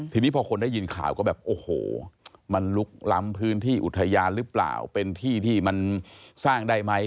ทีนี้พอคนได้ยินข่าวก็แบบโอ้โหมันลุกล้ำพื้นที่อุทยานหรือเปล่าเป็นที่ที่มันสร้างได้ไหม